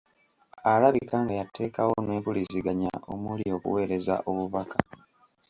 Alabika nga yateekawo n'empuliziganya omuli okuweereza obubaka